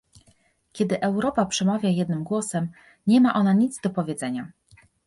Kiedy Europa przemawia jednym głosem, nie ma ona nic do powiedzenia